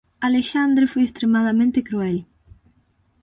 Alexandre foi extremadamente cruel.